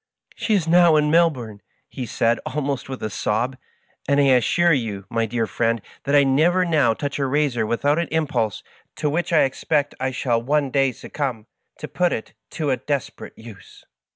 ' She is now in Melbourne,^ he said, almost with a sob, ^ and I assure you, my dear friend, that I never now touch a razor without an impulse, to which I expect I shall one day succumb, to put it to a desperate use.'